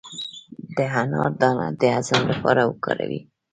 د انار دانه د هضم لپاره وکاروئ